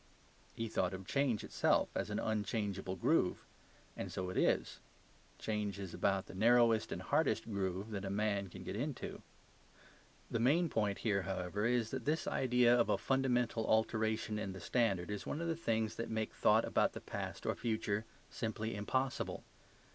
He thought of change itself as an unchangeable groove; and so it is. Change is about the narrowest and hardest groove that a man can get into. The main point here, however, is that this idea of a fundamental alteration in the standard is one of the things that make thought about the past or future simply impossible.